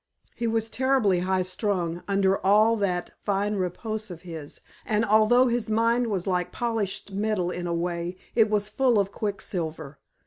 He was terribly high strung under all that fine repose of his, and although his mind was like polished metal in a way, it was full of quicksilver.